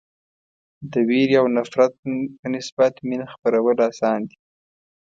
د وېرې او نفرت په نسبت مینه خپرول اسان دي.